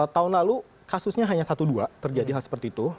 tahun lalu kasusnya hanya satu dua terjadi hal seperti itu